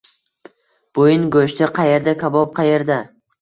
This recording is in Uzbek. Bo'yin go'shti qayerda, kabob qaerda?